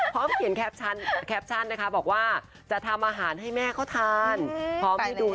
พร้อมเขียนแคปชั่นนะคะบอกว่าจะทำอาหารให้แม่เขาทานพร้อมให้ดู